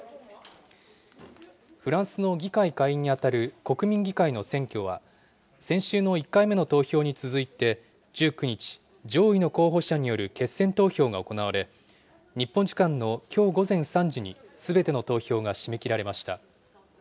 フランスの議会下院に当たる国民議会の選挙は、先週の１回目の投票に続いて１９日、上位の候補者による決選投票が行われ、日本時間のきょう午前３時に、すべての投票が締め切られました。